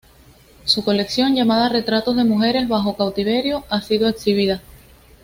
Su colección, llamada "Retratos de mujeres bajo cautiverio", ha sido exhibida.